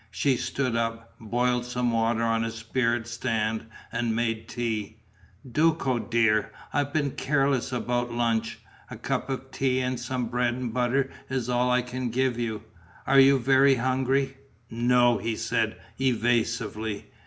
She stood up, boiled some water on a spirit stand and made tea: "Duco dear, I've been careless about lunch. A cup of tea and some bread and butter is all I can give you. Are you very hungry?" "No," he said, evasively.